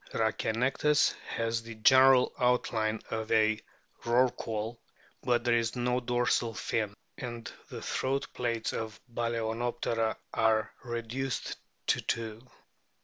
Rhachianectes has the general outline of a Rorqual ; but there is no dorsal fin, and the throat plaits of Baltznoptera are reduced to two.